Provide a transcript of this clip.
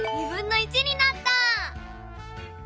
になった！